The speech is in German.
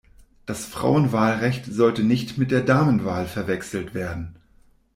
Das Frauenwahlrecht sollte nicht mit der Damenwahl verwechselt werden.